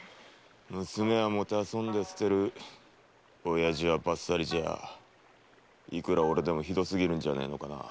娘は弄んで棄てる親父はバッサリじゃあいくら俺でもひどすぎるんじゃねえのかな。